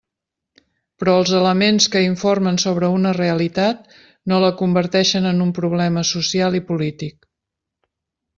Però els elements que informen sobre una realitat no la converteixen en un problema social i polític.